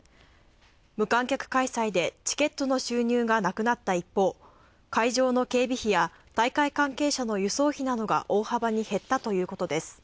無観客開催でチケットの収入がなくなった一方、会場の警備費や大会関係者の輸送費などが大幅に減ったということです。